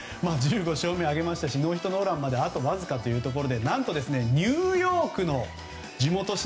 １５勝目を挙げましたしノーヒットノーランまであとわずかというところで何とニューヨークの地元紙